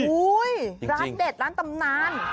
ร้านเด็ดร้านตำนาน